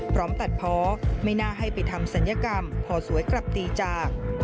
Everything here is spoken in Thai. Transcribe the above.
พร้อมตัดเพาะไม่น่าให้ไปทำศัลยกรรมพอสวยกลับตีจาก